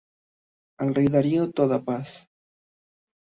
Al rey Darío toda paz.